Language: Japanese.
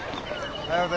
おはよう。